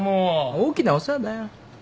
大きなお世話だよ。